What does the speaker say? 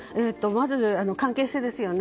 まず関係性ですね。